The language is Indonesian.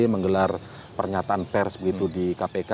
menggelar pernyataan pers begitu di kpk